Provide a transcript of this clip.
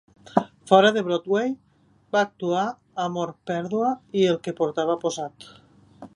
Fora de Broadway, va actuar a "Amor, Pèrdua i el que Portava Posat".